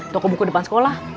toko buku depan sekolah